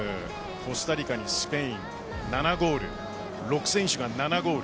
コスタリカにスペイン７ゴール６選手が７ゴール。